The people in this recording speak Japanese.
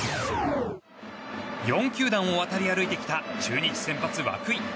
４球団を渡り歩いてきた中日先発、涌井。